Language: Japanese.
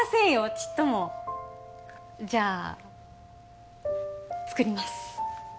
ちっともじゃあ作ります